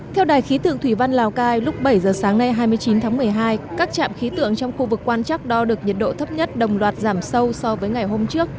theo đài khí tượng thủy văn lào cai lúc bảy giờ sáng nay hai mươi chín tháng một mươi hai các trạm khí tượng trong khu vực quan trắc đo được nhiệt độ thấp nhất đồng loạt giảm sâu so với ngày hôm trước